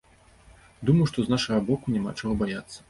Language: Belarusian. Думаю, што з нашага боку няма чаго баяцца.